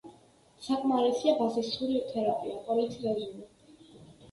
საკმარისია ბაზისური თერაპია: წოლითი რეჟიმი.